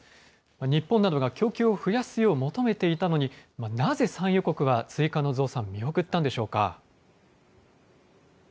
日本などが供給を増やすよう求めていたのに、なぜ産油国は追加の増産、見送ったんでしょうか。